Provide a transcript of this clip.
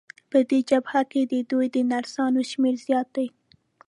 په دغه جبهه کې د دوی د نرسانو شمېر زیات دی.